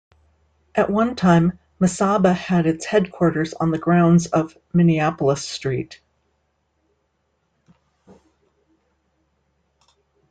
At one time Mesaba had its headquarters on the grounds of Minneapolis-St.